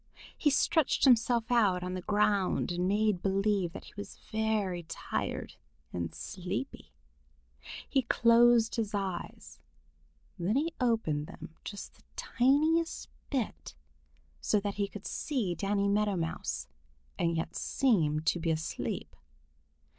He stretched himself out on the ground and made believe that he was very tired and sleepy. He closed his eyes. Then he opened them just the tiniest bit, so that he could see Danny Meadow Mouse and yet seem to be asleep.